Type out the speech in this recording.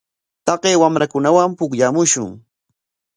Taqay wamrakunawan pukllamushun.